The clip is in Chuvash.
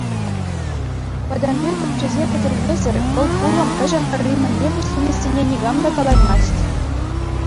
Пӗтӗмпе тӗпчесе пӗтермесӗр вӑл пулӑм вӗҫӗ-хӗрри мӗнле вӗҫленессине никам та калаймасть.